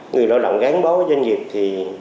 người lao động gắn bó với doanh nghiệp thì